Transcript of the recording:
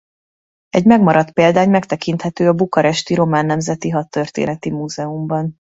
Egy megmaradt példány megtekinthető a bukaresti Román Nemzeti Hadtörténeti Múzeumban.